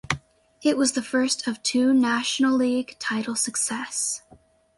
It was the first of two National League title success.